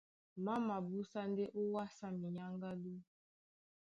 Má mabúsá ndé ówàsá minyáŋgádú.